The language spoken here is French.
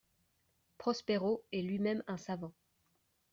Prospero est lui-même un savant.